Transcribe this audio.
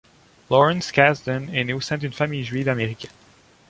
Lawrence Kasdan est né au sein d'une famille juive américaine.